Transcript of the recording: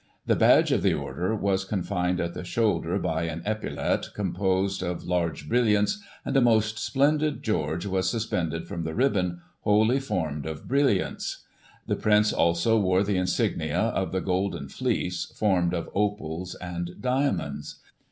The badge of the Order was confined at the shoulder by an epaulette composed of large brilliants, and a most splendid George was suspended from the ribbon, wholly formed of brilliants. The Prince also wore the insignia of the Golden Fleece, formed of opals and diamonds.